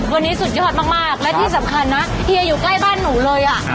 วันนี้สุดยอดมากและที่สำคัญนะเฮียอยู่ใกล้บ้านหนูเลยอ่ะ